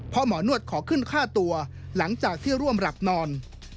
เพราะหมอนวดขอขึ้นค่าตัวหลังจากที่ร่วมหลับนอน